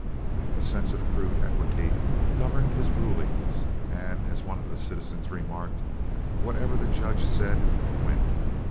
A sense of crude equity governed his rulings, and as one of the citizens remarked, "Whatever the judge said, went."